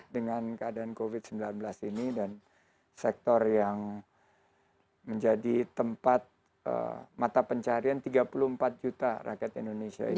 dengan keadaan covid sembilan belas ini dan sektor yang menjadi tempat mata pencarian tiga puluh empat juta rakyat indonesia ini sekarang sedang mengalami masa masa ini